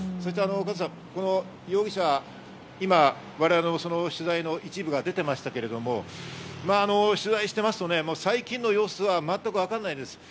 この容疑者、今、我々の取材の一部が出ていましたけど、取材してますと最近の様子は全くわからないです。